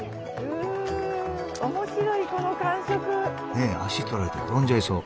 ねえ足とられて転んじゃいそう。